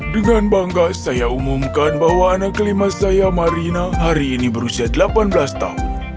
dengan bangga saya umumkan bahwa anak kelima saya marina hari ini berusia delapan belas tahun